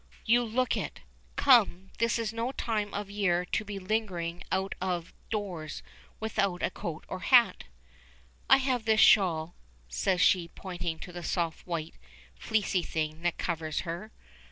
You look it. Come, this is no time of year to be lingering out of doors without a coat or hat." "I have this shawl," says she, pointing to the soft white, fleecy thing that covers her.